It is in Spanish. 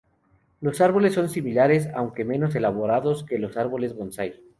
Los árboles son similares aunque menos elaborados que los árboles bonsái.